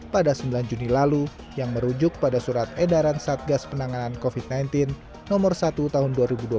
pada sembilan juni lalu yang merujuk pada surat edaran satgas penanganan covid sembilan belas nomor satu tahun dua ribu dua puluh